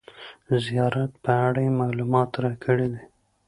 زیارت په اړه یې معلومات راکړي دي.